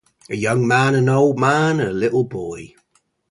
A young man — an old man — and a little boy.